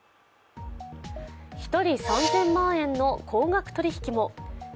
１人３０００万円の高額取引も。